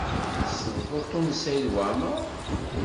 Tessneḍ uṭṭun n Saɛid Waɛmaṛ?